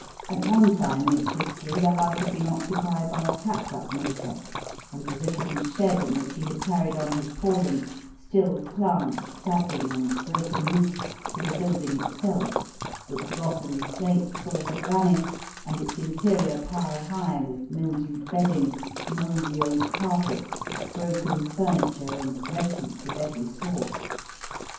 At one time in its history the house had been occupied by a catgut maker, and the rickety shed in which he had carried on his calling still clung, sagging and broken roofed, to the building itself, its rotten slates all but vanished, and its interior piled high with mildewed bedding, mouldy old carpet, broken furniture, and refuse of every sort.